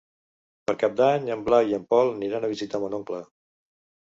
Per Cap d'Any en Blai i en Pol aniran a visitar mon oncle.